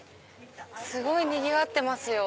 すごいにぎわってますよ。